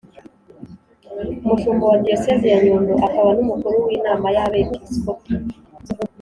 umushumba wa diyosezi ya nyundo, akaba n’umukuru w’inama y’abepiskopi